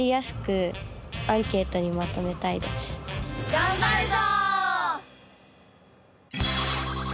がんばるぞ！